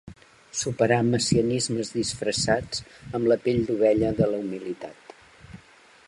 Superar messianismes disfressats amb la pell d’ovella de la humilitat.